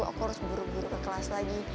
aku harus buru buru ke kelas lagi